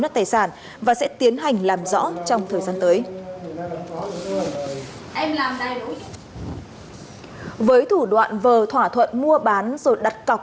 đoàn và sẽ tiến hành làm rõ trong thời gian tới với thủ đoạn vờ thỏa thuận mua bán rồi đặt cọc